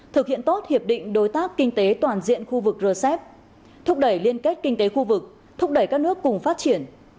thực hiện tốt hiệp định đối tác kinh tế toàn diện khu vực rcep thúc đẩy liên kết kinh tế khu vực thúc đẩy các nước cùng phát triển